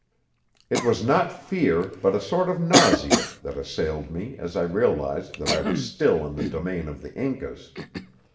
It was not fear, but a sort of nausea, that assailed me as I realized that I was still in the domain of the Incas.